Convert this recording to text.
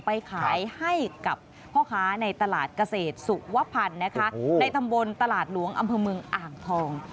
ไปขายให้กับพ่อค้าในตลาดเกษตรสุวพันธ์นะคะในตำบลตลาดหลวงอำเภอเมืองอ่างทอง